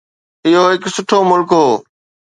اهو هڪ سٺو ملڪ هو.